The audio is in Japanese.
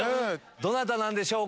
どなたなんでしょうか。